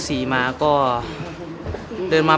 สวัสดีครับ